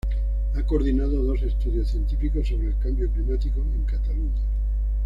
Ha coordinado dos estudios científicos sobre el cambio climático en Cataluña.